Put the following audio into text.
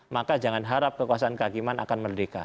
maka jangan harap kekuasaan kehakiman akan merdeka